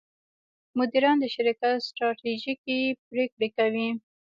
مدیران د شرکت ستراتیژیکې پرېکړې کوي.